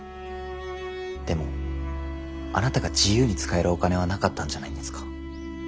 でもあなたが自由に使えるお金はなかったんじゃないんですか？